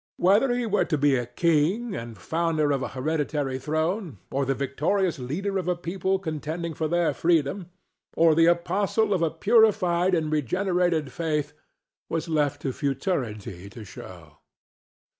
Whether he were to be a king and founder of a hereditary throne, or the victorious leader of a people contending for their freedom, or the apostle of a purified and regenerated faith, was left for futurity to show.